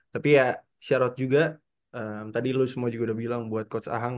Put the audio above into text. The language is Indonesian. tapi ya syarat juga tadi lo semua juga udah bilang buat coach ahang